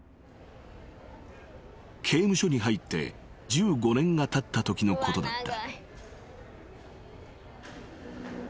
［刑務所に入って１５年がたったときのことだった］